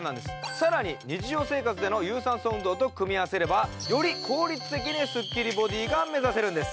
更に日常生活での有酸素運動と組み合わせれば、より効率的にすっきりボディーが目指せるんです。